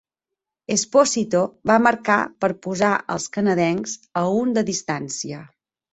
Esposito va marcar per posar als canadencs a un de distància.